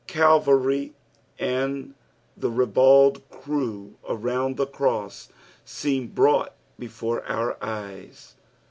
Calvary and the ribald crew around the cross seem brought before our eyes.